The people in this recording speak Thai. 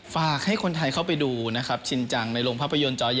ฝากให้คนไทยเข้าไปดูนะครับชินจังในโรงภาพยนตร์จอยอ